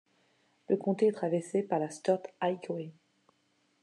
Le comté est traversé par la Sturt Highway.